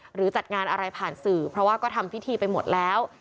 จัดงานอะไรผ่านสื่อเพราะว่าก็ทำพิธีไปหมดแล้ว